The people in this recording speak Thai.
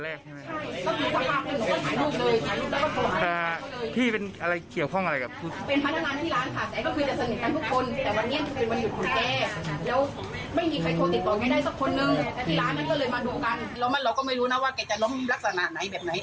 เราก็ไม่รู้นะว่าเขาจะล้มลักษณะไหนแบบไหน